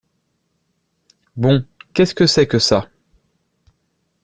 Bon ! qu’est-ce que c’est que ça ?